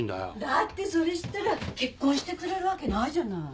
だってそれ知ったら結婚してくれるわけないじゃない。